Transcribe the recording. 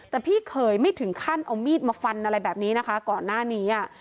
แต่พี่เคยไม่ถึงขั้นเอามีดมาฟันอะไรแบบนี้นะคะก่อนหน้านี้อ่ะ